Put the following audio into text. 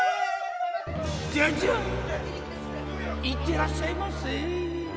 いってらっしゃいませ。